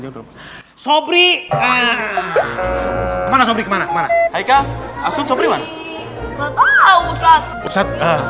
yang apa sih telling